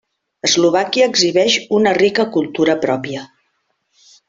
Eslovàquia exhibeix una rica cultura pròpia.